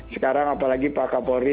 sekarang apalagi pak kapolri